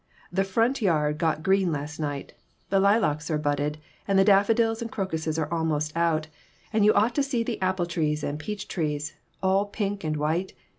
The front yard got green last night. The lilacs are budded, and the daffodils and crocuses are almost out, and you ought to see the apple trees and peach trees all pink and white.